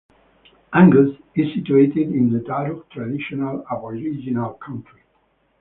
Angus is situated in the Darug traditional Aboriginal country.